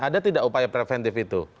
ada tidak upaya preventif itu